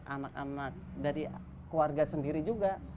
anak anak dari keluarga sendiri juga